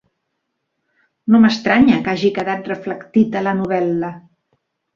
No m'estranya que hagi quedat reflectit a la novel·la.